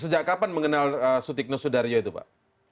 sejak kapan mengenal sutikno sudaryo itu pak